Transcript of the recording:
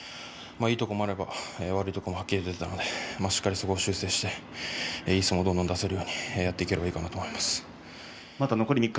いいところもあれば悪いところもはっきり出ているのでそこを修正していい相撲を出せるようにやっていければいいかと思います。